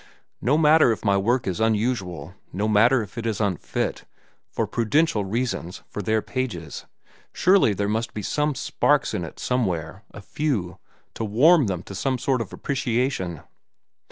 No matter if my work is unusual, no matter if it is unfit, for prudential reasons, for their pages, surely there must be some sparks in it, somewhere, a few, to warm them to some sort of appreciation.